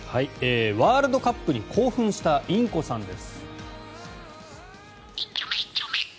ワールドカップに興奮したインコさんです。